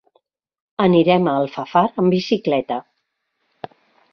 Anirem a Alfafar amb bicicleta.